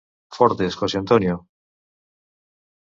Fortes, José Antonio.